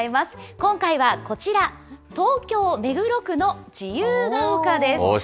今回はこちら、東京・目黒区の自由が丘です。